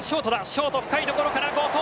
ショート深いところから後藤。